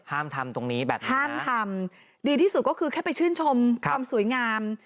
ทำตรงนี้แบบนี้ห้ามทำดีที่สุดก็คือแค่ไปชื่นชมความสวยงาม